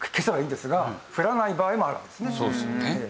そうですよね。